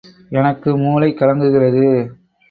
எனக்கு மூளை கலங்குகிறது.